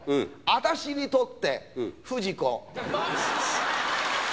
私にとって冨士子。